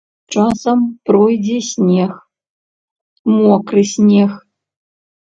Часам пройдзе снег, мокры снег.